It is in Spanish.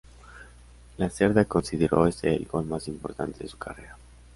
Lacerda consideró este el gol más importante de su carrera.